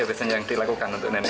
apa saja yang dilakukan untuk neneknya